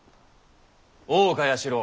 大岡弥四郎